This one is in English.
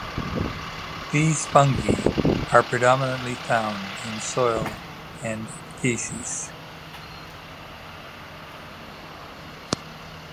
These fungi are predominantly found in soil and faeces.